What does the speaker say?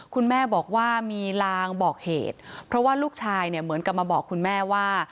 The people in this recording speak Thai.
คุณแม่บอกว่ามีลางบอกเหตุเพราะว่าลูกชายเนี่ยเหมือนกับมาบอกคุณแม่ว่า